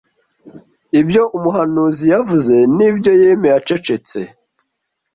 ibyo Umuhanuzi yavuze n’ibyo yemeye acecetse